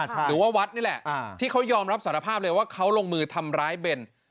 หรือว่าวัดนี่แหละที่เขายอมรับสารภาพเลยว่าเขาลงมือทำร้ายเบน